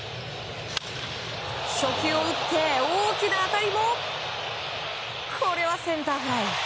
初球を打って大きな当たりもセンターフライ。